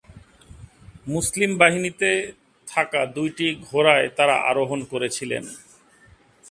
মুসলিম বাহিনীতে থাকা দুইটি ঘোড়ায় তারা আরোহণ করেছিলেন।